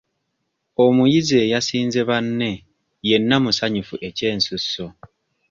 Omuyizi eyasinze banne yenna musanyufu ekyensusso.